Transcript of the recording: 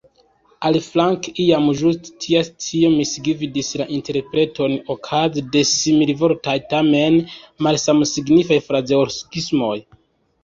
Aliflanke, iam ĝuste tia scio misgvidis la interpreton okaze de similvortaj, tamen malsamsignifaj, frazeologismoj.